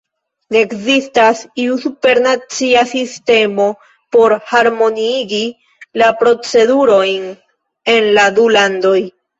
Ne ekzistas iu supernacia sistemo por harmoniigi la procedurojn en la du landoj.